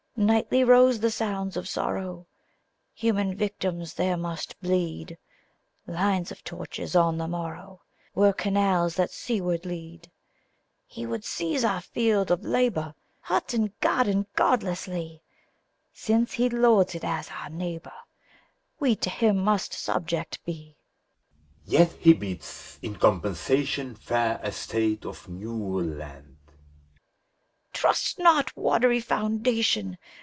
Nightly rose the sounds of sorrow, Human victims there must bleed : Lines of torches, on the morrow, Were canals that seaward lead. He would seize our field of labor. Hut and garden, godlessly: Since he lords it as our neighbor, We to him must subject be. PHILEMON. Yet he bids, in compensation, Fair estate of newer land. BAUCIS. Trust not watery foundation!